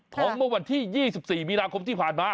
เมื่อวันที่๒๔มีนาคมที่ผ่านมา